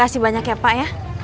makasih banyak ya pak ya